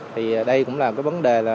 thì đây cũng là vấn đề